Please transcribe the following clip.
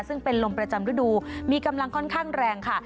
ซึ่งเป็นลมประจำฤดูมีกำลังค่อนข้างแรงค่ะ